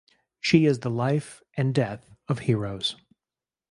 She is the life and death of heroes.